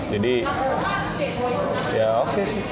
jadi ya oke sih